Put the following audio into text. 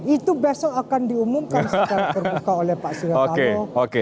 itu besok akan diumumkan secara terbuka oleh pak siriano